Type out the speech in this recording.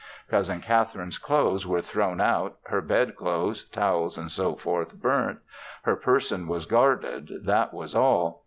Cousin Catherine's clothes were thrown out, her bed clothes, towels, &c., burnt; her person was guarded; that was all.